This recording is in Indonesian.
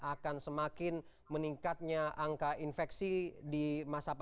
akan semakin meningkatnya angka infeksi di masyarakat